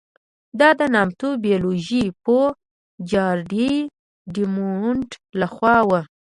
دا د نامتو بیولوژي پوه جارېډ ډایمونډ له خوا وه.